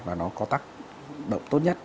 và nó có tác động tốt nhất